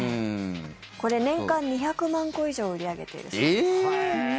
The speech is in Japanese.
これ、年間２００万個以上売り上げているそうです。